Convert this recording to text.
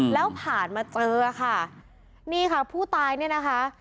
แล้วผ่านมาเจอค่ะนี่ค่ะผู้ตายเนี่ยนะคะ